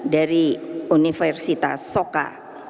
dari universitas soka